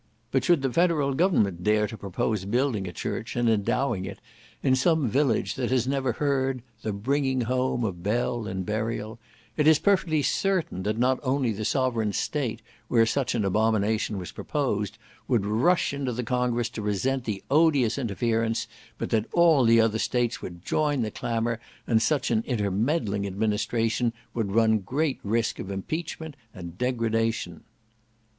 But should the federal government dare to propose building a church, and endowing it, in some village that has never heard "the bringing home of bell and burial," it is perfectly certain that not only the sovereign state where such an abomination was proposed, would rush into the Congress to resent the odious interference, but that all the other states would join the clamour, and such an intermeddling administration would run great risk of impeachment and degradation.